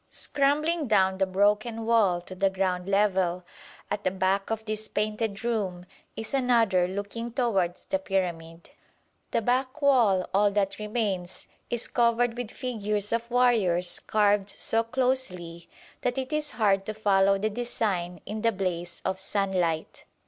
Scrambling down the broken wall to the ground level, at the back of this painted room is another looking towards the pyramid. The back wall, all that remains, is covered with figures of warriors carved so closely that it is hard to follow the design in the blaze of sunlight.